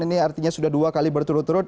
ini artinya sudah dua kali berturut turut